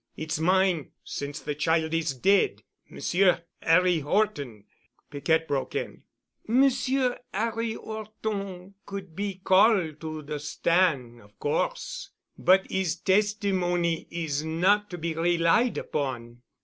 "It's mine since the child is dead. Monsieur Harry Horton——" Piquette broke in. "Monsieur 'Arry 'Orton could be call' to the stan' of course, but 'is testimony is not to be relied upon."